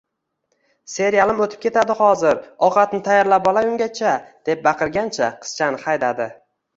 Serialim o`tib ketadi hozir, ovqatni tayyorlab olay ungacha, deb baqirgancha, qizchani haydadi